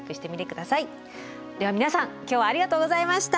では皆さん今日はありがとうございました。